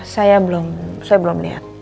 saya belum saya belum lihat